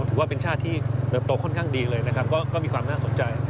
ถือว่าเป็นชาติที่เติบโตค่อนข้างดีเลยนะครับก็มีความน่าสนใจ